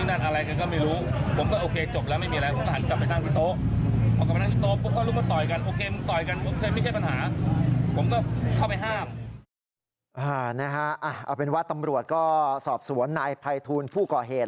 เอาเป็นว่าตำรวจก็สอบสวนนายภัยทูลผู้ก่อเหตุ